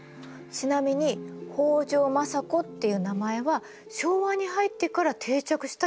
ちなみに北条政子っていう名前は昭和に入ってから定着した呼び方なんだって。